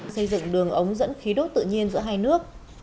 xây dựng đường ống dẫn khí đốt tự nhiên giữa hai nước